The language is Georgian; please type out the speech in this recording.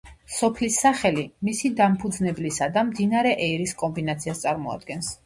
სოფლის სახელი მისი დამფუძნებლისა და მდინარე ეირის კომბინაციას წარმოადგენს.